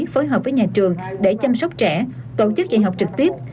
phối hợp với nhà trường để chăm sóc trẻ tổ chức dạy học trực tiếp